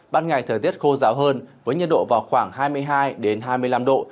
ban ngày thời tiết khô ráo hơn với nhiệt độ vào khoảng hai mươi hai hai mươi năm độ